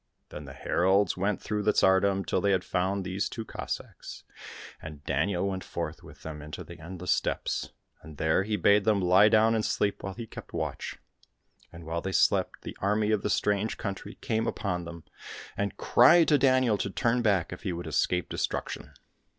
Then the heralds went through the tsardom till they had found these two Cossacks, and Daniel went forth with them into the endless steppes, and there he bade them lie down and sleep while he kept watch. And while they slept the army of the strange country came upon them, and cried to Daniel to turn back if he would escape destruction.